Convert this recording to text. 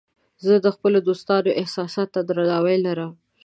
زه د خپلو دوستانو احساساتو ته درناوی لرم.